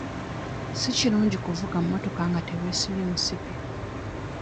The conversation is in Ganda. Si kirungi kuvuga mmotoka nga teweesibye musipi.